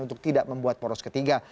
untuk tidak membuat poros ketiga